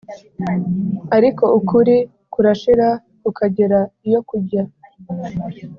ariko ukuri kurashira kukagera iyo kujya.